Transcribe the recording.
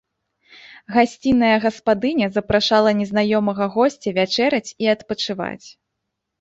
Гасцінная гаспадыня запрашала незнаёмага госця вячэраць і адпачываць.